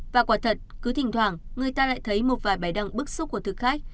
và quả thật cứ thỉnh thoảng người ta lại thấy một vài bài đăng bức xúc của thực khách